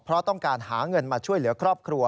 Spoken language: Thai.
เพราะต้องการหาเงินมาช่วยเหลือครอบครัว